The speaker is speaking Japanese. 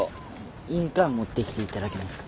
印鑑持ってきて頂けますか？